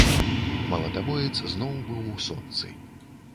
Малатабоец зноў быў у сонцы.